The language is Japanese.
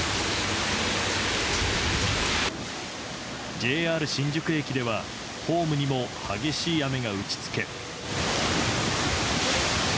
ＪＲ新宿駅ではホームにも激しい雨が打ち付け。